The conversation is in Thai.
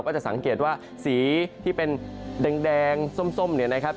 ก็จะสังเกตว่าสีที่เป็นแดงส้มนะครับ